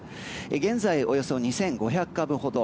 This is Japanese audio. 現在、およそ２５００株ほど。